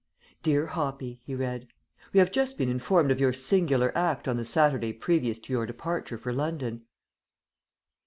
"Dear Hoppy," he read. "We have just been informed of your singular act on the Saturday previous to your departure for London."